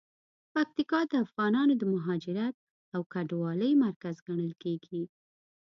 پکتیکا د افغانانو د مهاجرت او کډوالۍ مرکز ګڼل کیږي.